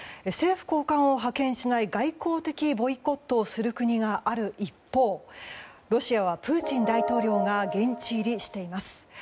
政府高官を派遣しない外交的ボイコットをする国がある一方ロシアはプーチン大統領が現地入りしています。